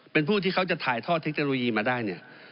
เป็นผู้ที่เขาจะถ่ายท่อเทคโนโลยีกัน